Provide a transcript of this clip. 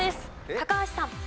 高橋さん。